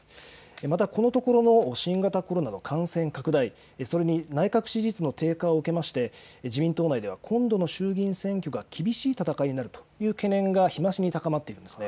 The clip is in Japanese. またこのところの新型コロナの感染拡大、それに内閣支持率の低下を受けて自民党内では今度の衆議院選挙が厳しい戦いになるという懸念が日増しに高まっています。